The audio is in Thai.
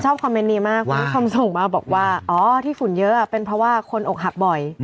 คอมเมนต์นี้มากคุณผู้ชมส่งมาบอกว่าอ๋อที่ฝุ่นเยอะเป็นเพราะว่าคนอกหักบ่อย